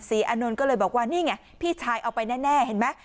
อานนท์ก็เลยบอกว่านี่ไงพี่ชายเอาไปแน่เห็นไหม